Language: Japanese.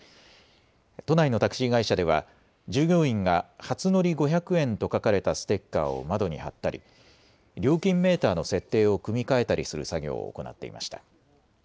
都内のタクシー会社では従業員が初乗５００円と書かれたステッカーを窓に貼ったり料金メーターの設定を組み替えたりする作業を行っていました。